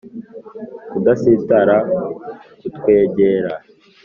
kudusatira: kutwegera